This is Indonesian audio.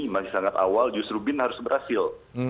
masih sangat awal justru bin harus berhasil